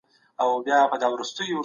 کيدای سي دا کار یو څه وخت ونیسي.